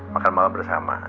makan malam bersama